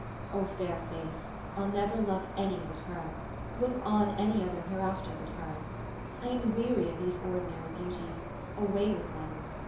O fair face, I'll never love any but her, look on any other hereafter but her; I am weary of these ordinary beauties, away with them.